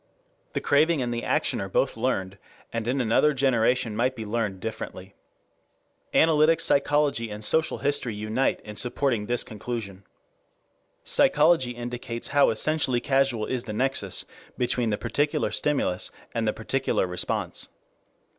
The craving and the action are both learned, and in another generation might be learned differently. Analytic psychology and social history unite in supporting this conclusion. Psychology indicates how essentially casual is the nexus between the particular stimulus and the particular response.